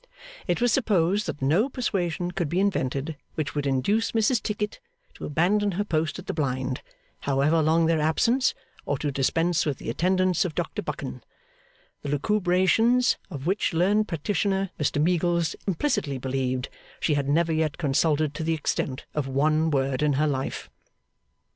It was supposed that no persuasion could be invented which would induce Mrs Tickit to abandon her post at the blind, however long their absence, or to dispense with the attendance of Dr Buchan; the lucubrations of which learned practitioner, Mr Meagles implicitly believed she had never yet consulted to the extent of one word in her life.